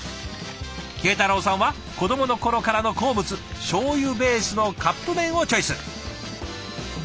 慶太郎さんは子どもの頃からの好物しょうゆベースのカップ麺をチョイス。